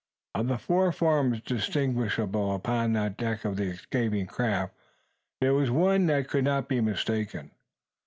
Of the four forms distinguishable upon the deck of the escaping craft, there was one that could not be mistaken.